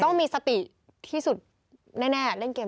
ต้องมีสติที่สุดแน่เล่นเกม